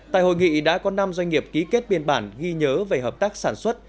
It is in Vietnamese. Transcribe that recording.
tại hội nghị đã có năm doanh nghiệp ký kết biên bản ghi nhớ về hợp tác sản xuất